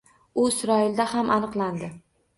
U Isroilda ham aniqlandi